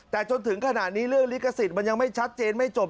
แต่จนถึงขณะนี้เรื่องลิขสิทธิ์มันยังไม่ชัดเจนไม่จบ